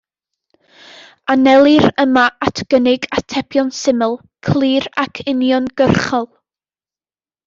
Anelir yma at gynnig atebion syml, clir ac uniongyrchol.